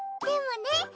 でもね